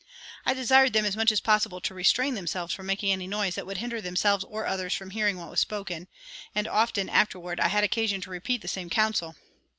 I desired them as much as possible to restrain themselves from making any noise that would hinder themselves or others from hearing what was spoken; and often afterward I had occasion to repeat the same counsel.